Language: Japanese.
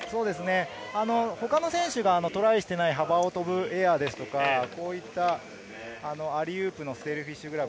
他の選手がトライしていない、幅を飛ぶエアですとか、アーリーウープのステイルフィッシュグラブ。